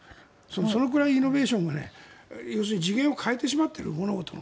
そのくらいイノベーションが次元を変えてしまっている物事の。